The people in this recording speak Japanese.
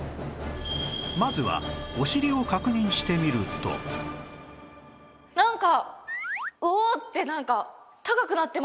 まずはお尻を確認してみるとなんか。